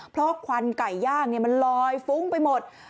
เพราะควันไก่ย่างมันลอยฟุ้งไปหมด